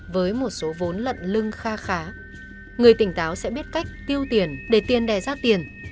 với một số vốn lận lưng kha khá người tỉnh táo sẽ biết cách tiêu tiền để tiền đè ra tiền